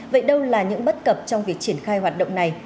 vậy đâu là những bất cập trong việc triển khai hoạt động này